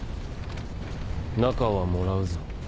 中はもらうぞ。